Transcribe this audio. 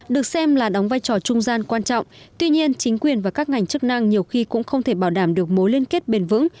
được xem là đóng vai trò trung gian quan trọng tuy nhiên chính quyền và các ngành chức năng nhiều khi cũng không thể bảo đảm được mối liên kết bền vững